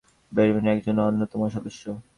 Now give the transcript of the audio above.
তিনি ব্যারিমোর পরিবারের একজন অন্যতম সদস্য।